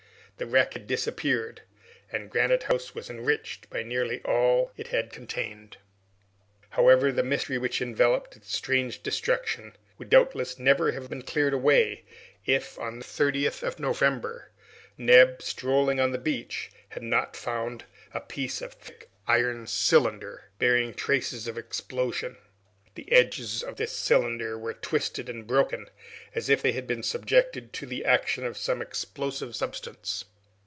The wreck had disappeared, and Granite House was enriched by nearly all it had contained. However, the mystery which enveloped its strange destruction would doubtless never have been cleared away if, on the 30th of November, Neb, strolling on the beach, had not found a piece of a thick iron cylinder, bearing traces of explosion. The edges of this cylinder were twisted and broken, as if they had been subjected to the action of some explosive substance.